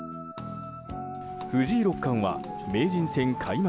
藤井六冠は名人戦開幕